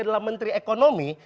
adalah menteri ekonomi